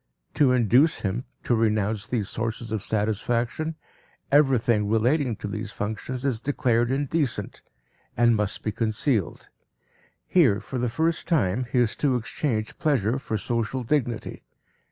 To induce him to renounce these sources of satisfaction, everything relating to these functions is declared indecent and must be concealed. Here, for the first time, he is to exchange pleasure for social dignity.